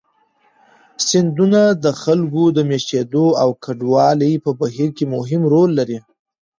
سیندونه د خلکو د مېشتېدو او کډوالۍ په بهیر کې مهم رول لري.